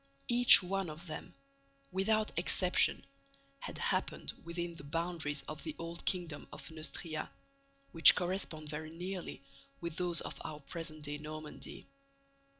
Each one of them, without exception, had happened within the boundaries of the old kingdom of Neustria, which correspond very nearly with those of our present day Normandy.